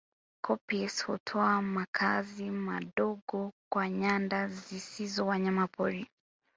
Koppies hutoa makazi madogo kwa nyanda zisizo wanyamapori